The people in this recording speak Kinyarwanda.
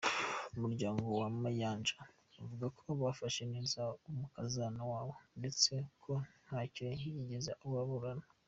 Umuryango wa Mayanja uvuga ko bafashe neza umukazana wabo ndetse ko ntacyo yigeze ababurana.